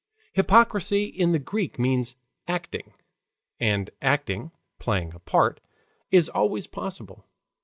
Hypocrisy in the Greek means "acting," and acting playing a part is always possible.